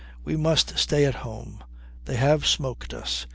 "We must stay at home. They have smoked us.